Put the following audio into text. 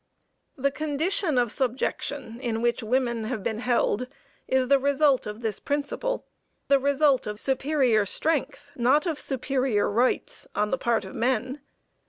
The condition of subjection in which women have been held is the result of this principle; the result of superior strength, not of superior rights, on the part of men.